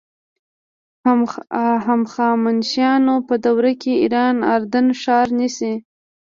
هخامنشیانو په دوره کې ایران اردن ښار نیسي.